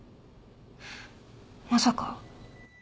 まさか。